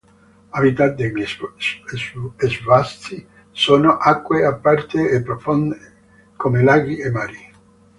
Habitat degli svassi sono acque aperte e profonde come laghi e mari.